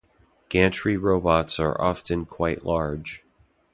Gantry robots are often quite large.